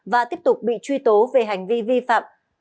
và tiếp tục bị truy tố về hành vi vi phạm